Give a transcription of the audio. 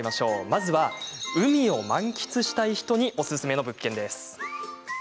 まずは海を満喫したい人におすすめの物件。